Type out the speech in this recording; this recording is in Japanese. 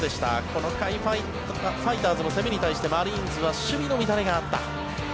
この回ファイターズの攻めに対してマリーンズは守備の乱れがあった。